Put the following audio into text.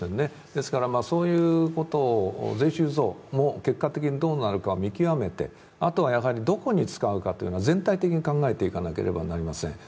ですから、そういう税収増も結果的にどうなるかを見極めてあとはどこに使うかというのは全体的に考えていかなければなりません。